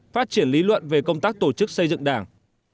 phát triển lý luận về công tác tổ chức xây dựng đảng